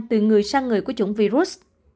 từ người sang người của chủng virus